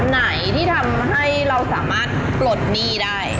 ไหนที่ทำให้เราสามารถปลดหนี้ได้